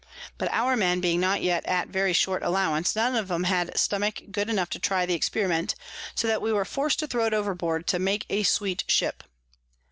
But our Men being not yet at very short Allowance, none of 'em had Stomach good enough to try the Experiment: so that we were forc'd to throw it overboard, to make a sweet Ship.